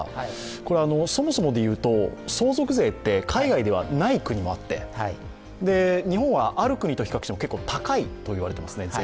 これはそもそもで言うと、相続税は海外ではない国もあって、日本はある国と比較しても税率が高いと言われています。